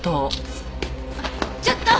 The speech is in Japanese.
ちょっと！